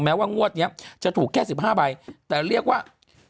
ว่างวดนี้จะถูกแค่๑๕ใบแต่เรียกว่า